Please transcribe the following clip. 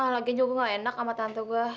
laginya juga gak enak sama tante gue